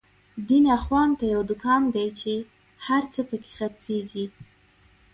دين اخوان ته يو دکان دی، چی هر څه په کی خر څيږی